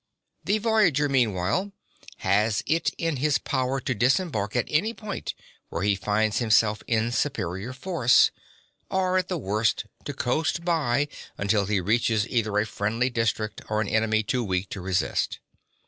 The voyager meanwhile has it in his power to disembark at any point where he finds himself in superior force, or, at the worst, to coast by until he reaches either a friendly district or an enemy too weak to resist.